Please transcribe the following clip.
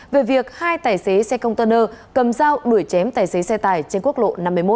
về việc hai tài xế xe container cầm dao đuổi chém tài xế xe tải trên quốc lộ năm mươi một